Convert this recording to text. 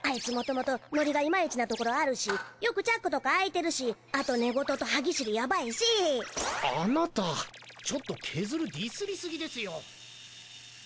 元々ノリがいまいちなところあるしよくチャックとか開いてるしあと寝言と歯ぎしりヤバイしあなたちょっとケズルディスりすぎですよ